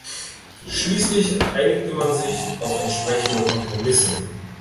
Schließlich einigte man sich auf entsprechende Kompromisse.